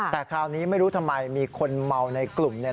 แต่คราวนี้ไม่รู้ทำไมมีคนเมาในกลุ่ม